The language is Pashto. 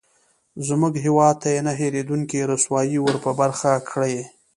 زموږ هېواد ته یې نه هېرېدونکې رسوایي ورپه برخه کړې.